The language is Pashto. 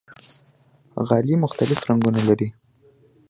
غالۍ مختلف رنګونه لري.